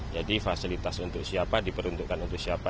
jadi fasilitas untuk siapa diperuntukkan untuk siapa